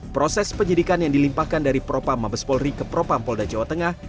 proses penyidikan yang dilimpahkan dari propam mabes polri ke propam polda jawa tengah